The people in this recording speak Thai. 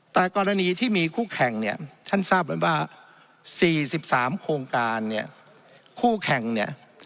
แต่กรณีที่มีคู่แข่งเนี่ยท่านทราบมั้ยว่า๔๓โครงการเนี่ย